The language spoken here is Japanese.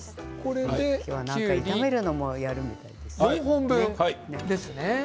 今日は何か炒めるのもやってみたいですね。